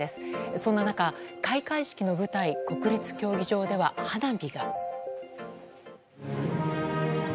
そんな中、開会式の舞台国立競技場では花火が。